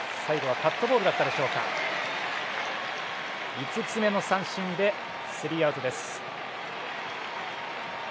５つ目の三振でスリーアウトです。